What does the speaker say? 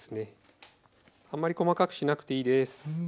あんまり細かくしなくていいです。